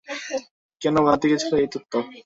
কেন বানাতে গিয়েছিলেন এই তত্ত্ব।